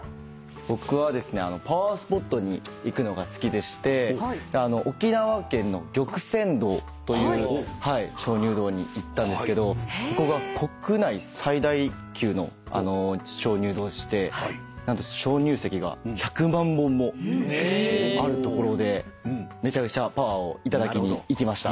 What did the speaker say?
僕はですねパワースポットに行くのが好きでして沖縄県の玉泉洞という鍾乳洞に行ったんですけどここが国内最大級の鍾乳洞でして何と鍾乳石が１００万本もあるところでめちゃくちゃパワーを頂きに行きました。